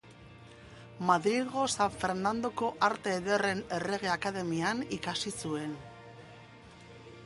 Madrilgo San Fernandoko Arte Ederren Errege Akademian ikasi zuen.